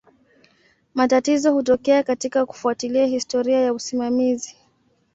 Matatizo hutokea katika kufuatilia historia ya usimamizi.